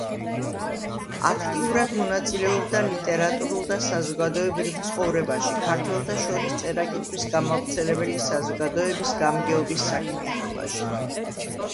აქტიურად მონაწილეობდა ლიტერატურულ და საზოგადოებრივ ცხოვრებაში, ქართველთა შორის წერა-კითხვის გამავრცელებელი საზოგადოების გამგეობის საქმიანობაში.